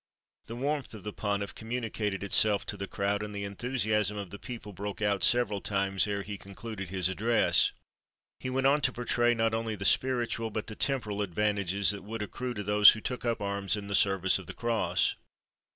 '" The warmth of the Pontiff communicated itself to the crowd, and the enthusiasm of the people broke out several times ere he concluded his address. He went on to portray, not only the spiritual but the temporal advantages that would accrue to those who took up arms in the service of the cross.